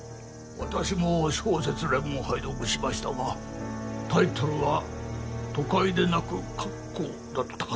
私も『小説れもん』を拝読しましたがタイトルは『都会で鳴く郭公』だったかと。